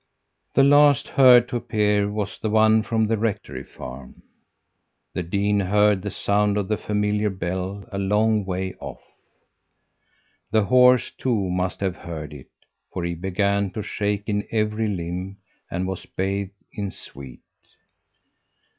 "The last herd to appear was the one from the rectory farm. The dean heard the sound of the familiar bell a long way off. The horse, too, must have heard it, for he began to shake in every limb, and was bathed in sweat.